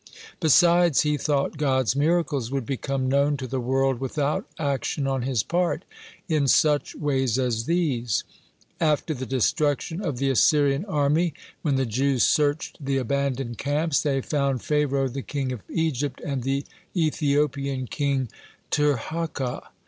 Besides, he thought God's miracles would become known to the world without action on his part, (67) in such ways as these: After the destruction of the Assyrian army, when the Jews searched the abandoned camps, they found Pharaoh the king of Egypt and the Ethiopian king Tirhakah.